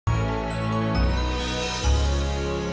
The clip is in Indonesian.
kita bisa ikut kemudian